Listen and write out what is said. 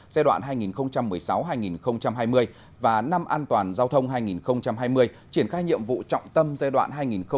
giai đoạn hai nghìn một mươi sáu hai nghìn hai mươi và năm an toàn giao thông hai nghìn hai mươi triển khai nhiệm vụ trọng tâm giai đoạn hai nghìn hai mươi một hai nghìn hai mươi năm